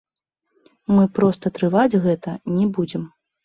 Мы проста трываць гэта не будзем.